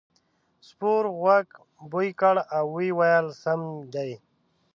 سپور غوږ بوی کړ او وویل سم دی.